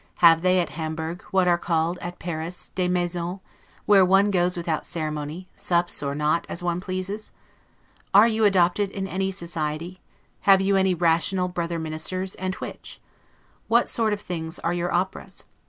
Have they, at Hamburg, what are called at Paris 'des Maisons', where one goes without ceremony, sups or not, as one pleases? Are you adopted in any society? Have you any rational brother ministers, and which? What sort of things are your operas?